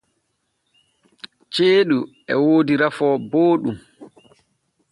Ceeɗu e woodi rafoo booɗɗum.